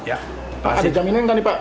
ada jaminan tadi pak